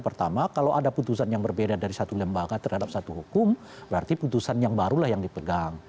pertama kalau ada putusan yang berbeda dari satu lembaga terhadap satu hukum berarti putusan yang barulah yang dipegang